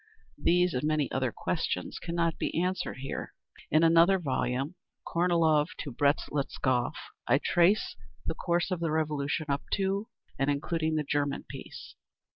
These and many other questions cannot be answered here. In another volume, "Kornilov to Brest Litovsk," I trace the course of the Revolution up to and including the German peace.